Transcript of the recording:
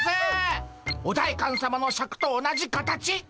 お代官さまのシャクと同じ形っ！